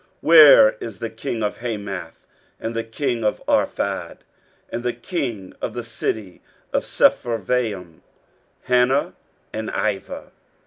23:037:013 Where is the king of Hamath, and the king of Arphad, and the king of the city of Sepharvaim, Hena, and Ivah?